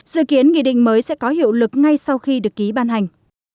dự kiến nghị định mới sẽ có hiệu lực ngay sau khi được ký ban hành